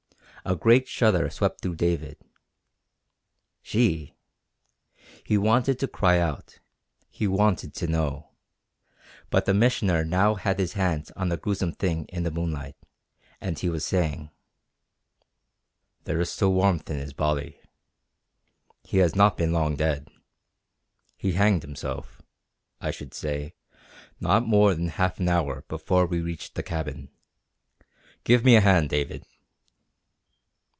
A great shudder swept through David. She! He wanted to cry out. He wanted to know. But the Missioner now had his hands on the gruesome thing in the moonlight, and he was saying: "There is still warmth in his body. He has not been long dead. He hanged himself, I should say, not more than half an hour before we reached the cabin. Give me a hand, David!"